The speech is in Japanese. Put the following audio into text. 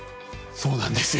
そうなんですよ。